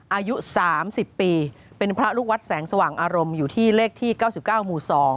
อายุ๓๐ปีเป็นพระลูกวัดแสงสว่างอารมณ์อยู่ที่เลขที่๙๙หมู่๒